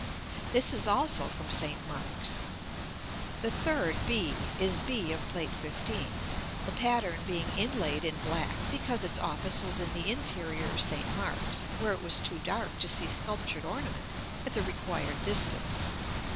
This is also from St. Mark's. The third, b, is b of Plate XV., the pattern being inlaid in black because its office was in the interior of St. Mark's, where it was too dark to see sculptured ornament at the required distance.